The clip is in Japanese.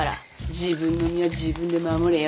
自分の身は自分で守れよ。